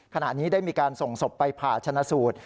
ขณะนี้ได้มีการส่งศพไปผ่าชนะสูตร